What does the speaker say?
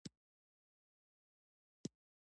چټک حرکت سرعت زیاتوي.